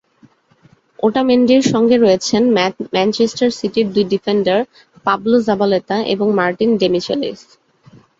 ওটামেন্ডির সঙ্গে রয়েছেন ম্যানচেস্টার সিটির দুই ডিফেন্ডার পাবলো জাবালেতা এবং মার্টিন ডেমিচেলিস।